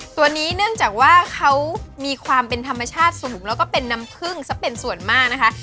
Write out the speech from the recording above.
ตัวนี้เนื่องจากว่าเขามีความเป็นธรรมชาติสูงแล้วก็เป็นน้ำพึ่งซะเป็นส่วนมากนะคะ